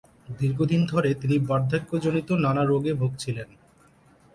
দীর্ঘদিন ধরে তিনি বার্ধক্যজনিত নানা রোগে ভুগছিলেন।